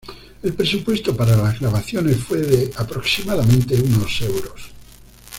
El presupuesto para las grabaciones fue de aproximadamente unos euros.